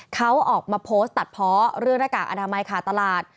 เขาออกมาโพสต์ตัดเพาะเรื่องหน้ากากอนามัยขาดตลาด